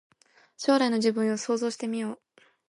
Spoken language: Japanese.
将来の自分を想像してみよう